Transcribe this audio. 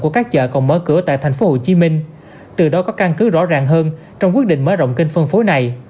của các chợ còn mở cửa tại tp hcm từ đó có căn cứ rõ ràng hơn trong quyết định mở rộng kênh phân phối này